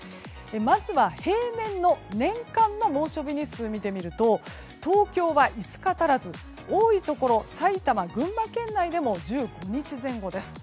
まずは、平年の年間の猛暑日日数を見てみると東京は５日足らず多いところ、埼玉や群馬県内でも１５日前後です。